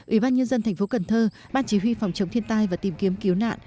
ủy ban nhân dân thành phố cần thơ ban chỉ huy phòng chống thiên tai và tìm kiếm cứu nạn